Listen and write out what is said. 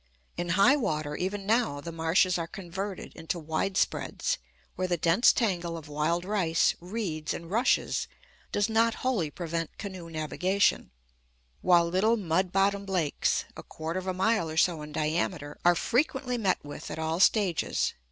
In high water, even now, the marshes are converted into widespreads, where the dense tangle of wild rice, reeds, and rushes does not wholly prevent canoe navigation; while little mud bottomed lakes, a quarter of a mile or so in diameter, are frequently met with at all stages.